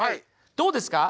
どうですか？